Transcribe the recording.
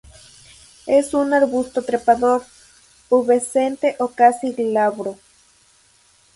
Es un arbusto trepador, pubescente o casi glabro.